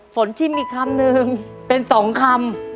ฝนชิมอีกคำนึงเป็นสองคำ